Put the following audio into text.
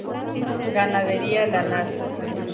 Ganadería lanar.